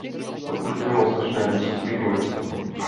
To už mělo značné důsledky v Německu.